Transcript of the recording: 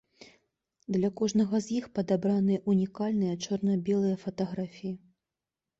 Для кожнага з іх падабраныя унікальныя чорна-белыя фатаграфіі.